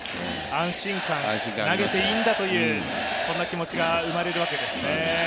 安心感、投げていいんだという、そんな気持ちが生まれるわけですね。